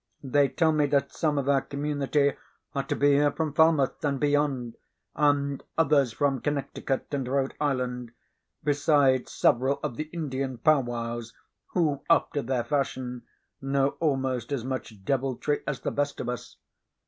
They tell me that some of our community are to be here from Falmouth and beyond, and others from Connecticut and Rhode Island, besides several of the Indian powwows, who, after their fashion, know almost as much deviltry as the best of us.